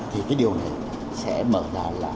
thì cái điều này sẽ mở ra là